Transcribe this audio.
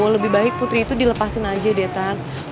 lebih baik putri itu dilepasin aja deh tante